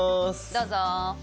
どうぞ！